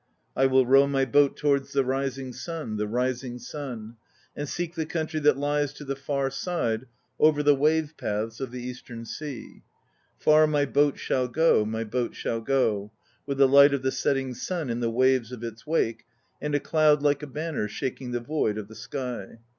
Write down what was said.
I will row my boat towards the rising sun, The rising sun; And seek the country that lies to the far side Over the wave paths of the Eastern Sea. Far my boat shall go, My boat shall go, With the light of the setting sun in the waves of its wake And a cloud like a banner shaking the void of the sky.